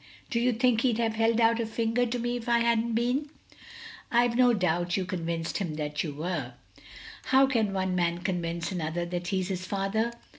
Do you think he'd have held out a finger to me if I hadn't been?" "I've no doubt you convinced him that you were." "How can one man convince another that he's his father?"